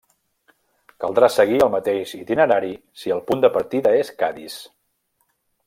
Caldrà seguir el mateix itinerari si el punt de partida és Cadis.